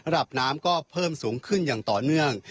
ระดับน้ำก็เพิ่มสูงขึ้นอย่างต่อเนื่อง